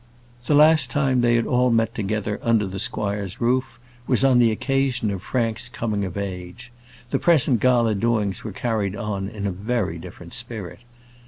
The last time they had all met together under the squire's roof, was on the occasion of Frank's coming of age. The present gala doings were carried on in a very different spirit.